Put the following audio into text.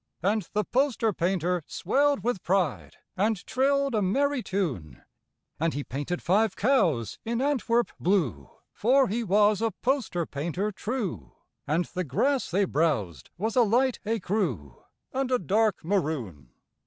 And the poster painter swelled with pride And trilled a merry tune. And he painted five cows in Antwerp blue (For he was a poster painter true), And the grass they browsed was a light écru And a dark maroon.